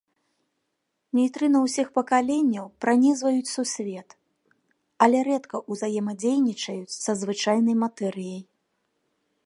Нейтрына ўсіх пакаленняў пранізваюць сусвет, але рэдка ўзаемадзейнічаюць са звычайнай матэрыяй.